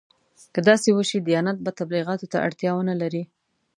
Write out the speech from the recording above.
که داسې وشي دیانت به تبلیغاتو ته اړتیا ونه لري.